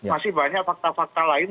masih banyak fakta fakta lain